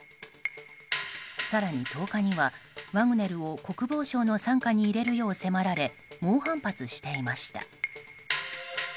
更に１０日にはワグネルを国防省の傘下に入れるよう迫られ猛反発していました。